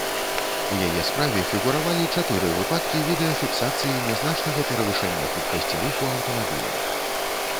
У яе справе фігуравалі чатыры выпадкі відэафіксацыі нязначнага перавышэння хуткасці руху аўтамабілем.